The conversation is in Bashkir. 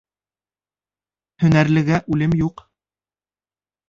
Һөнәрлегә үлем юҡ.